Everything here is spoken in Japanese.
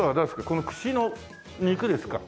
この串の肉ですか？